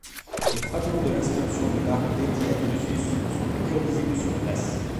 Des fragments de l'inscription de l'arc dédié à Drusus sont toujours visibles sur place.